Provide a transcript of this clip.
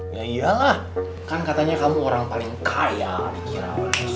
ya iyalah kan katanya kamu orang paling kaya dikira